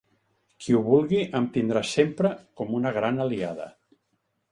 Qui ho vulgui, em tindrà sempre com una gran aliada.